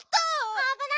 あぶない！